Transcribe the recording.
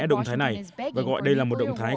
động thái này và gọi đây là một động thái